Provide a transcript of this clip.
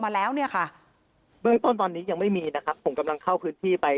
กันแล้วลงมาแล้วเนี่ยค่ะตอนนี้ยังไม่มีนะครับผมจะมาข้อขึ้นที่ไป